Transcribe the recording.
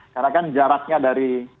karena kan jaraknya dari